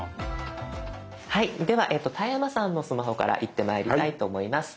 はいでは田山さんのスマホからいってまいりたいと思います。